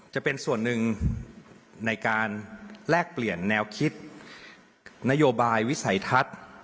จะเป็นส่วนหนึ่งในการแลกเปลี่ยนแนวคิดนโยบายวิสัยทัศน์